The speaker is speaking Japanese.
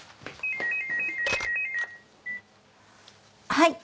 ☎はい。